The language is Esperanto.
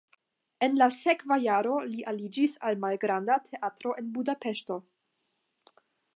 En la sekva jaro li aliĝis al malgranda teatro en Budapeŝto.